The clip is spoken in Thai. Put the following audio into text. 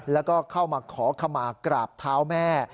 แล้วก็เข้ามาขอขมากราบเท้าแม่